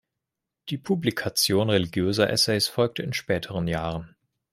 Die Publikation religiöser Essays folgte in späteren Jahren.